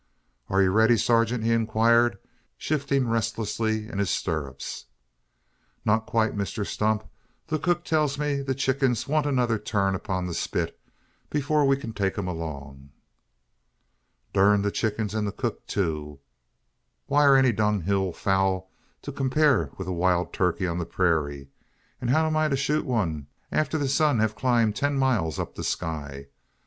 "Ain't ye riddy, surgint?" he inquired, shifting restlessly in his stirrups. "Not quite, Mr Stump. The cook tells me the chickens want another turn upon the spit, before we can take 'em along." "Durn the chickens, an the cook too! What air any dung hill fowl to compare wi' a wild turkey o' the purayra; an how am I to shoot one, arter the sun hev clomb ten mile up the sky?